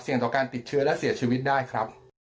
ต่อการติดเชื้อและเสียชีวิตได้ครับ